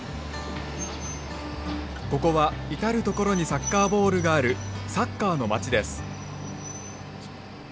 ここは至る所にサッカーボールがあるサッカーの町です。